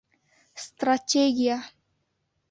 — Стратегия!